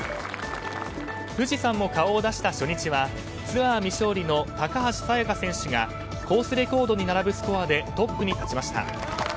富士山も顔を出した初日はツアー未勝利の高橋彩華選手がコースレコードに並ぶスコアでトップに立ちました。